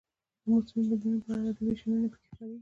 د موسمي بدلونونو په اړه ادبي شننې پکې خپریږي.